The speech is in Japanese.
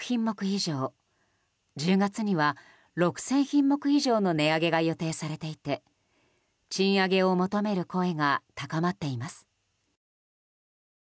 以上１０月には６０００品目以上の値上げが予定されていて賃上げを求める声が高まっています。